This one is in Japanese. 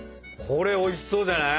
これおいしそうじゃない？